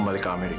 kembali ke amerika